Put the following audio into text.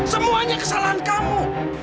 semuanya kesalahan kamu